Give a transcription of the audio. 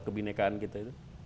kebinekaan kita itu